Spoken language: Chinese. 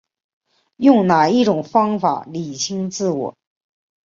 用哪一种方法厘清自我